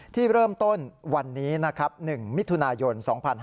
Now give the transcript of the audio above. ที่เริ่มต้นวันนี้นะครับ๑มิถุนายน๒๕๕๙